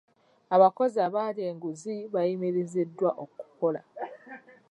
Abakozi abalya nguzi baayimiriziddwa okukola.